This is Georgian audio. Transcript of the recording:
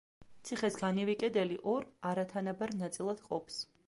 ციხეს განივი კედელი ორ არათანაბარ ნაწილად ყოფს.